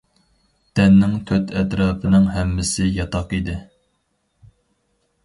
دەننىڭ تۆت ئەتراپىنىڭ ھەممىسى ياتاق ئىدى.